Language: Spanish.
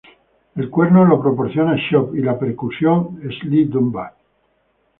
El cuerno es proporcionado por Chop y la percusión por Sly Dunbar.